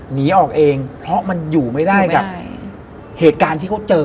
หนีออกเองเพราะมันอยู่ไม่ได้กับเหตุการณ์ที่เขาเจอ